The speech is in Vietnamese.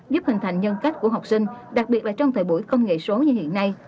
giúp hình thành nhân cách của học sinh đặc biệt là trong thời buổi công nghệ số như hiện nay